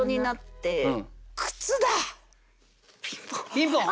ピンポン。